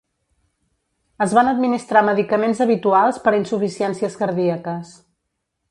Es van administrar medicaments habituals per a insuficiències cardíaques.